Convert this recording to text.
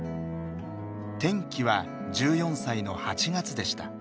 転機は１４歳の８月でした。